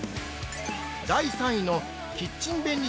◆第３位のキッチン便利